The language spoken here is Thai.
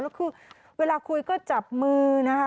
แล้วคือเวลาคุยก็จับมือนะคะ